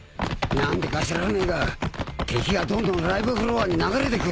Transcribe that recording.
何でか知らねえが敵がどんどんライブフロアに流れてくる。